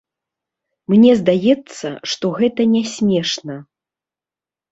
Мне здаецца, што гэта не смешна.